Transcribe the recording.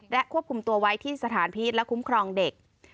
ควบคุมตัวไว้ที่สถานพีชและคุ้มครองเด็ก